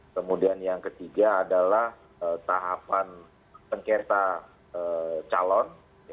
kemudian yang ketiga adalah tahapan sengketa calon